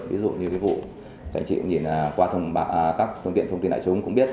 ví dụ như vụ các anh chị nhìn qua các thông tin đại chúng cũng biết